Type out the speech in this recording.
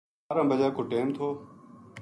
بارہ بجے کو ٹیم تھو